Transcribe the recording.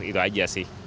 itu aja sih